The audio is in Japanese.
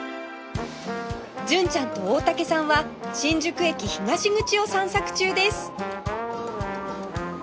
純ちゃんと大竹さんは新宿駅東口を散策中です